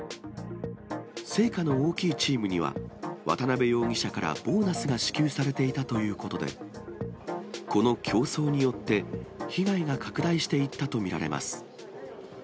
成果の大きいチームには、渡辺容疑者からボーナスが支給されていたということで、この競争によって被害が拡大していったと見られます。